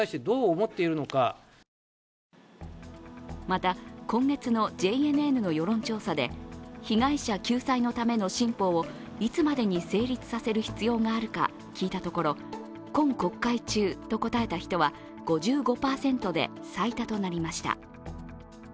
また、今月のＪＮＮの世論調査で被害者救済のための新法をいつまでに成立させる必要があるか聞いたところ今国会中と答えた人は５５％で最多となりました。